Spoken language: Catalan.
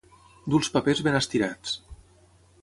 Dur els papers ben estirats.